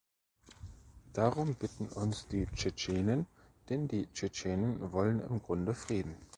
Darum bitten uns die Tschetschenen, denn die Tschetschenen wollen im Grunde Frieden.